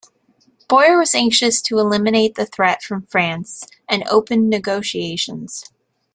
Boyer was anxious to eliminate the threat from France and opened negotiations.